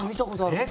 えっ？